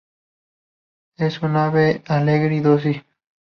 Es un ave alegre y dócil.